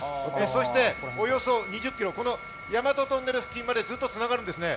そしておよそ２０キロ、大和トンネル付近までずっと繋がるんですね。